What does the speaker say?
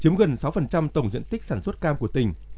chiếm gần sáu tổng diện tích sản xuất cam của tỉnh